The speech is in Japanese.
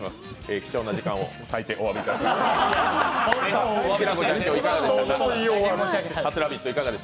貴重な時間を割いておわび申し上げます。